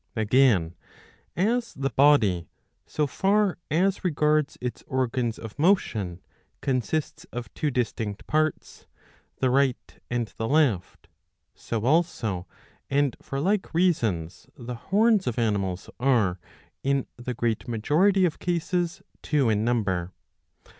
^'^ Again as the body, so far as regards its organs of motion,^^ consists of two distinct parts, the right and the left, so also and for like reasons the horns of animals are, in the great majority of cases, two in number.